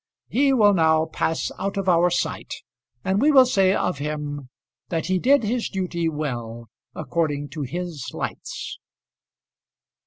He will now pass out of our sight, and we will say of him, that he did his duty well according to his lights.